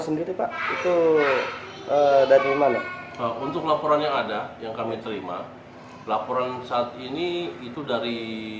sendiri pak itu dari mana untuk laporan yang ada yang kami terima laporan saat ini itu dari